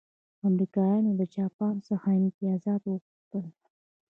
امریکایانو له جاپان څخه امتیازات وغوښتل.